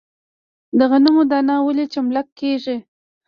د غنمو دانه ولې چملک کیږي؟